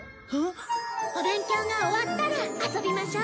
お勉強が終わったら遊びましょ。